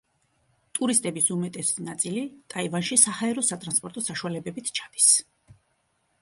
ტურისტების უმეტესი ნაწილი ტაივანში საჰაერო სატრანსპორტო საშუალებებით ჩადის.